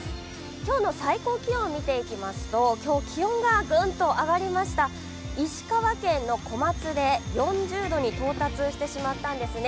今日の最高気温、見ていきますと今日、気温がグーンと上がりました石川県の小松で４０度に到達してしまったんですね。